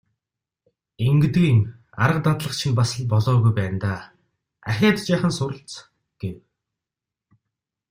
Ингэдэг юм, арга дадлага чинь бас л болоогүй байна даа, ахиад жаахан суралц гэв.